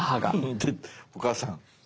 お母さん。